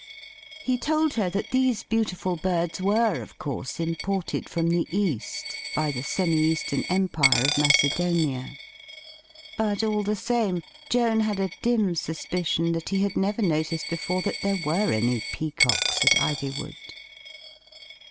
He told her tfiat these beautiful birds were, of course, imported from the East — ^by the semi eastern empire of Macedonia. But, all the same, Joan had a dim suspicion that he had never noticed before that there were any peacocks at Ivywood.